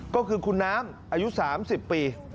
ก็คือคุณน้ำอายุ๓๐ปี